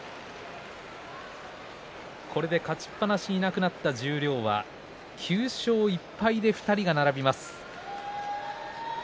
これで勝ちっぱなしいなくなった十両は９勝１敗で２人が並びます。